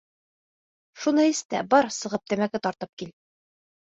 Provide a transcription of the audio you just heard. Шуны эс тә, бар сығып тәмәке тартып кил.